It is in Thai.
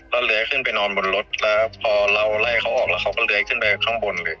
แล้วเลื้อยขึ้นไปนอนบนรถแล้วพอเราไล่เขาออกแล้วเขาก็เลื้อยขึ้นไปข้างบนเลย